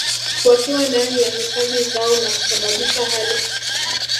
wakiwa ndani ya hifadhi zao na kusababisha hali